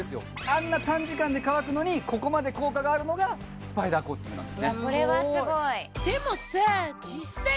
あんな短時間で乾くのにここまで効果があるのがスパイダーコーティングなんですね